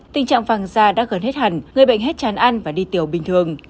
tình trạng vàng da đã gần hết hẳn người bệnh hết chán ăn và đi tiểu bình thường